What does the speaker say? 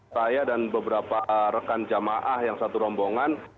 saya dan beberapa rekan jamaah yang satu rombongan